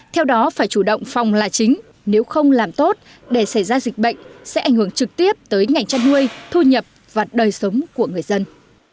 theo đó phải chủ động phòng là chính nếu không làm tốt để xảy ra dịch bệnh sẽ ảnh hưởng trực tiếp tới ngành chăn nuôi thu nhập và đời sống của người dân